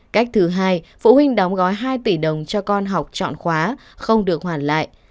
cách thứ hai phụ huynh đóng gói hai tỷ đồng cho con học chọn khóa không được hoàn lại